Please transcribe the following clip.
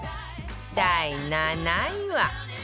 第７位は